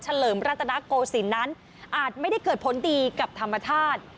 เลิมรัตนโกศิลป์นั้นอาจไม่ได้เกิดผลดีกับธรรมชาติ